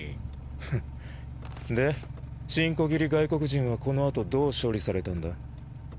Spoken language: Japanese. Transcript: フンでチンコ切り外国人はこのあとどう処理されたんだ？